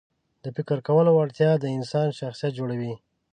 د فکر کولو وړتیا د انسان شخصیت جوړوي.